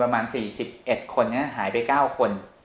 ประมาณ๔๑คนหายไป๙คน